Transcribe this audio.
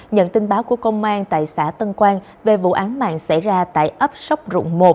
nhận tin báo của công an tại xã tân quang về vụ án mạng xảy ra tại ấp sóc rụng một